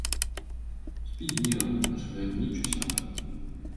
Спі з мірам, наш ваяўнічы сябра!